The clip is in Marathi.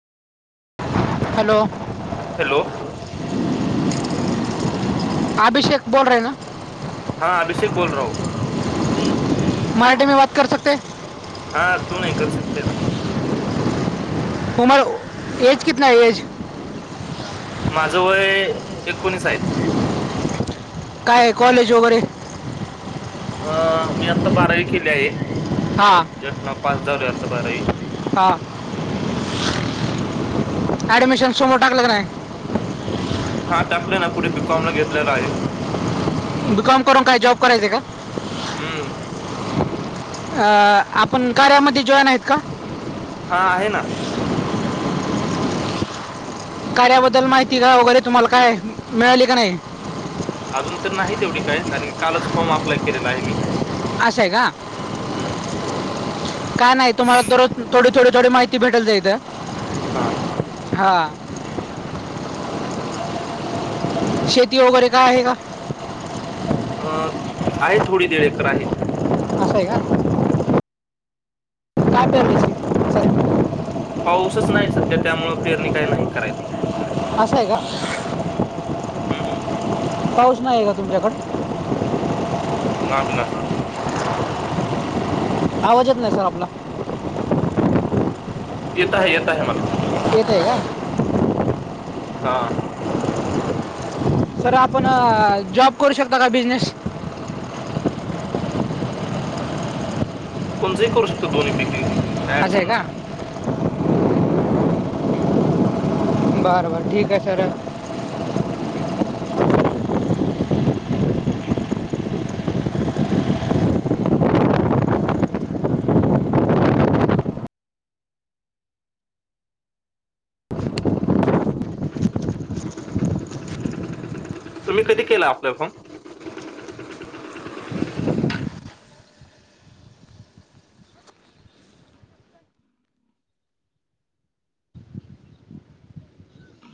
हॅलो..... हॅलो... अभिषेक बोल रहे ना..... हां अभिषेक बोल रहा हुं.... मराठी म बात कर सकते हैं... हा क्यू नाही कर सकते ना.... एज कितना है.... माझं वय एकोणीस आहे. काय कॉलेज वगैरे...... अ मी आता बारावी केली आहे जस्ट ना पास झाल आता बारावी.... हा ऍडमिशन समोर टाकलं नाही.... हा टाकले ना पुढे बीकॉम ला घेतलेला आहे बी कॉम करून, काय जॉब करायं का? हम्, अ आपण कार्यामध्ये, जॉवान आहेत का? हा आहे ना, कार्याबद्दल माहिती का वगैरे तुम्हाला काय मिळाली का नाही... अजून तर नाही तेवढी काय कारण की कालच फॉर्म अप्लाय केलेला आहे मी..... अस आहे का? हम्म काय नाही तुम्हाला दररोज थोडी थोडी थोडी माहिती भेटल जाइल इथ... हा, हा, शेती ती वगैरे, काय आहे का? अ आहे, थोडी दीड एकर आहे. असं आहे का, काय पेरलं? पाऊसच नाही सध्या, त्यामुळ पेरणी काही नाही करायला, असं आहे का? हम्म, पाऊस नाही आहे का? तुमच्याकडे, नाही ना, आवाजच येत नाही, सर आपला, येत आहे, येत आहे मला, येत आहे का, हा, सर आपण जॉब करू शकता का? बिझनेस, कोणचंही करू शकतो, दोन्ही पैकी काय असं आहे अडचण का नाही. बर बर, ठीक आहे सर. तुम्ही कधी केला, आपलं फोन,